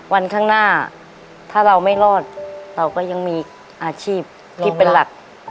วันข้างหน้าถ้าเราไม่รอดเราก็ยังมีอาชีพที่เป็นหลัก